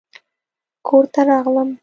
کور ته راغلم